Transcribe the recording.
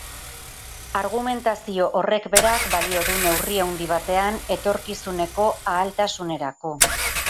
Argumentazio horrek berak balio du, neurri handi batean, etorkizuneko ahaltasunetarako.